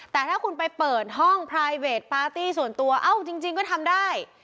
แต่ถ้าคุณไปเปิดห้องพลายเวทปาร์ตี้ส่วนตัวเอ้าจริงก็ทำได้